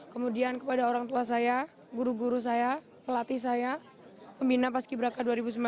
kemudian kepada orang tua saya guru guru saya pelatih saya pembina paski braka dua ribu sembilan belas